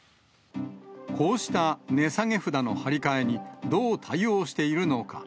こうした値下げ札の貼り替えに、どう対応しているのか。